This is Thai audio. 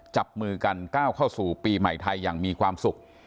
จับมือกันก้าวเข้าสู่ปีใหม่ไทยอย่างมีความสุข